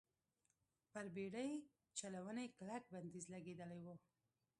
پر بېړۍ چلونې کلک بندیز لګېدلی و.